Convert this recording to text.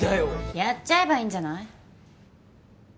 やっちゃえばいいんじゃない？